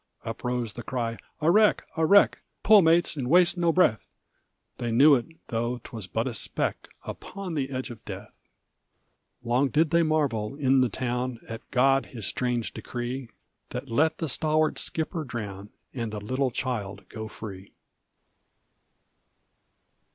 Up rose the cry, "A wreck! a wreck! Pull, mates, and waste no breath!" They knew it, though 'twas but a speck Upon the edge of death! Long did they marvel in the town At God his strange decree, That let the stalwart skipper drown And the little child go free!